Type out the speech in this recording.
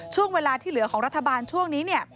ช่วงเวลาที่เหลือของรัฐบาลช่วงนี้